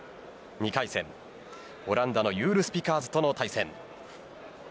２回戦、オランダのユール・スピカーズとの対戦。